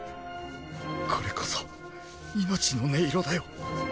これこそ命の音色だよ。